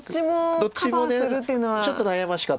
どっちもちょっと悩ましかった。